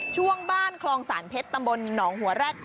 ช่วงบ้านคลองสารเพชรตำบลหนองหัวแร็ด